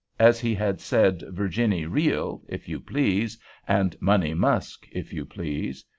as he had said "'Virginny Reel,' if you please!" and "'Money Musk,' if you please!"